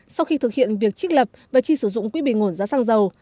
sau khi thực hiện việc trích lập và chi sử dụng quỹ bình ổn giá xăng dầu